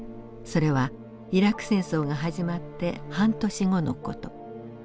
それはイラク戦争が始まって半年後の事。